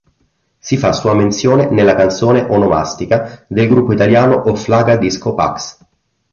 Si fa sua menzione nella canzone "Onomastica" del gruppo italiano Offlaga Disco Pax.